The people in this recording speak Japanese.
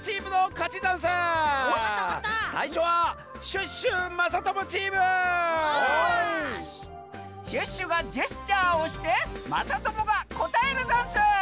シュッシュがジェスチャーをしてまさともがこたえるざんす！